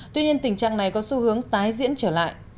tuy nhiên tình trạng này có xu hướng tái diễn trở lại